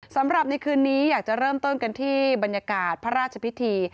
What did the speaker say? สำหรับในคืนนี้อยากจะเริ่มต้นกันที่บรรยากาศพระราชพิธี